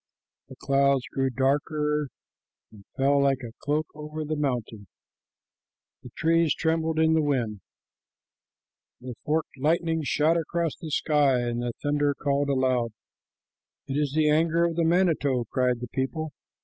The clouds grew darker and fell like a cloak over the mountain, the trees trembled in the wind, the forked lightning shot across the sky, and the thunder called aloud. "It is the anger of the manito," cried the people.